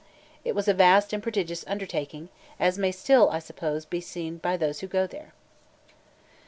It was a vast and prodigious undertaking, as may still, I suppose, be seen by those who go there.